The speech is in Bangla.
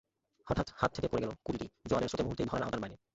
হঠাৎ হাত থেকে পড়ে গেল কুঁড়িটি-জোয়ারের স্রোতে মুহূর্তেই ধরার আওতার বাইরে।